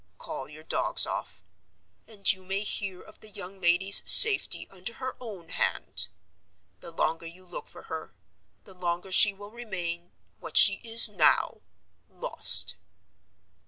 Call your dogs off; and you may hear of the young lady's safety under her own hand. The longer you look for her, the longer she will remain, what she is now—lost."